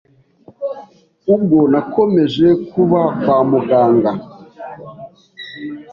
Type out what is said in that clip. Ubwo nakomeje kuba kwa muganga